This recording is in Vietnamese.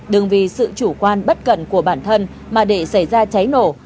đừng vì sự chủ quan bất cẩn của bản thân mà để xảy ra cháy nổ